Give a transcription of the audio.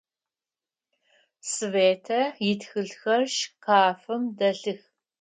Светэ итхылъхэр шкафым дэлъых.